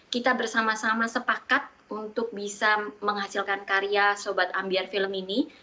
kita bersama sama sepakat untuk bisa menghasilkan karya sobat ambiar film ini